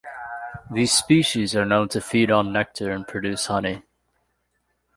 These species are known to feed on nectar and produce honey.